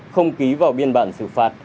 không ký vào biên bản xử phạt